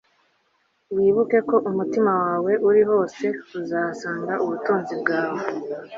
wibuke ko umutima wawe uri hose, uzahasanga ubutunzi bwawe